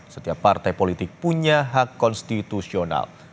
setiap partai politik punya hak konstitusional